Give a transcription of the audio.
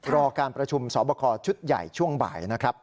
รอการประชุมสอบคอชุดใหญ่ช่วงบ่ายนะครับ